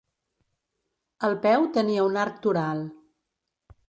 El peu tenia un arc toral.